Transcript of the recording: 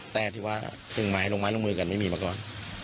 แต่ที่ว่าถึงไม้ลงไม้ลงมือกันไม่มีมาก่อน